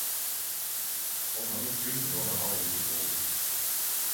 Kor mange tusen gonger har ho ikkje stroke